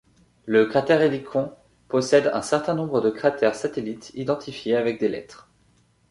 Le cratère Helicon possède un certain nombre de cratères satellites identifiés avec des lettres.